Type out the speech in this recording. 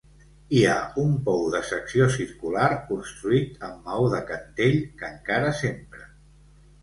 Hi ha un pou de secció circular, construït amb maó de cantell que encara s'empra.